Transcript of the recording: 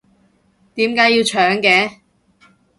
點解要搶嘅？